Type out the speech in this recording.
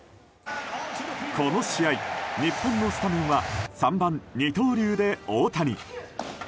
この試合、日本のスタメンは３番、二刀流で大谷。